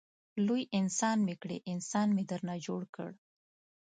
لوی انسان مې کړې انسان مې درنه جوړ کړ.